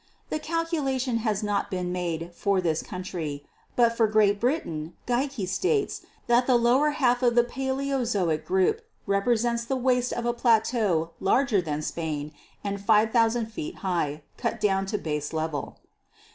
The calculation has not been made for this country, but for Great Britain Geikie states that the lower h?lf of the Paleozoic group represents the waste of a plateau larger than Spain and 5,000 feet high, cut down to base level.